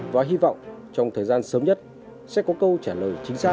và hy vọng trong thời gian sớm nhất sẽ có câu trả lời chính xác